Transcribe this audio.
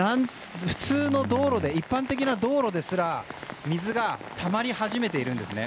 一般的な道路ですら水がたまり始めているんですね。